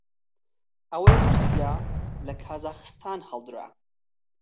ئەوەی ڕووسیا لە کازاخستان هەڵدرا